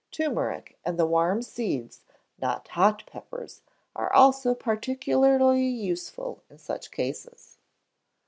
Turmeric and the warm seeds (not hot peppers) are also particularly useful in such cases.